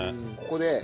ここで。